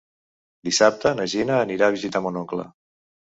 Dissabte na Gina anirà a visitar mon oncle.